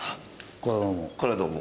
これはどうも。